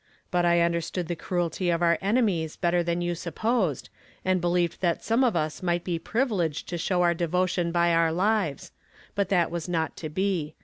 but I understood the cruelty of our enemies better than you supposed, and be heved that some of us might be privileged to show our devotmn by our lives ; but that was not to be.